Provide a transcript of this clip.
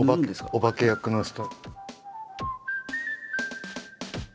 お化け役の人。